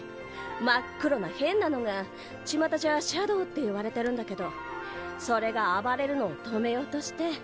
真っ黒な変なのがちまたじゃシャドウっていわれてるんだけどそれが暴れるのを止めようとして。